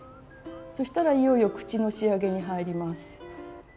そしたらいよいよ口の仕上げに入ります。